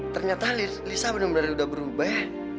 ternyata lisa benar benar udah berubah